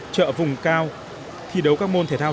chợ vùng cao thi đấu các môn thể thao